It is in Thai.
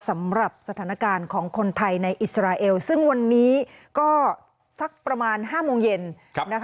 สำหรับสถานการณ์ของคนไทยในอิสราเอลซึ่งวันนี้ก็สักประมาณ๕โมงเย็น